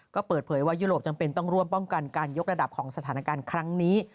ก็เปิดเผยว่ายุโรปจำเป็นต้องร่วมป้องกันการยกระดับของสถานการณ์ครั้งนี้